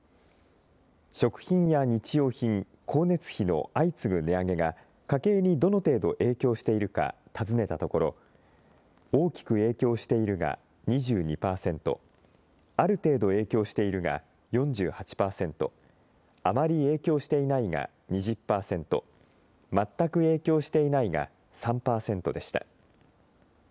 食品や日用品、光熱費の相次ぐ値上げが家計にどの程度影響しているか尋ねたところ、大きく影響しているが２２％、ある程度影響しているが４８％、あまり影響していないが２０％、全く影響していないが３％でした。